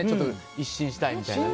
一新したいみたいなね。